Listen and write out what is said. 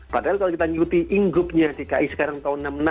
padahal kalau kita ngikutin inggupnya dki sekarang tahun enam puluh enam